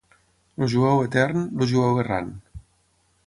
El jueu etern, el jueu errant.